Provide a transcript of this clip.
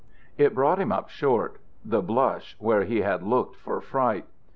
It brought him up short the blush, where he had looked for fright.